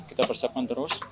kita persiapkan terus